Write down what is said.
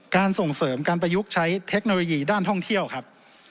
ส่งเสริมการประยุกต์ใช้เทคโนโลยีด้านท่องเที่ยวครับ